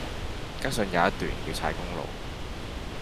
加上有一段要踩公路